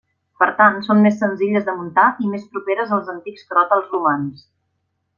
Per tant, són més senzilles de muntar i més properes als antics cròtals romans.